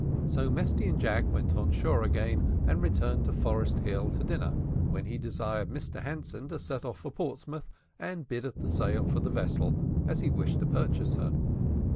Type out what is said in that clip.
So Mesty and Jack went on shore again, and returned to Forest Hill to dinner, when he desired Mr Hanson to set off for Portsmouth, and bid at the sale for the vessel, as he wished to purchase her.